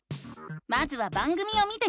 まずは番組を見てみよう！